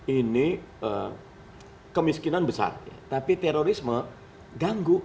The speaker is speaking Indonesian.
ini kemiskinan besar tapi terorisme ganggu